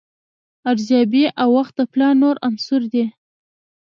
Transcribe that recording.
ارزیابي او وخت د پلان نور عناصر دي.